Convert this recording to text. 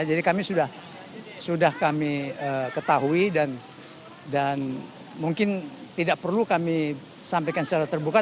jadi kami sudah sudah kami ketahui dan mungkin tidak perlu kami sampaikan secara terbuka